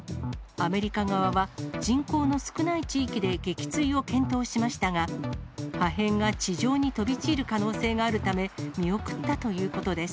アメリカ側は人口の少ない地域で撃墜を検討しましたが、破片が地上に飛び散る可能性があるため、見送ったということです。